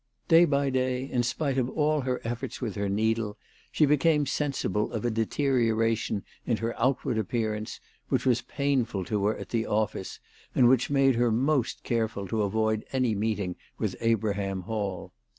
Day by 306 THE TELEGRAPH GIRL. day, in spite of all her efforts with her needle, she became sensible of a deterioration in her outward appearance which was painful to her at the office, and which made her most careful to avoid any meeting with Abraham Hall.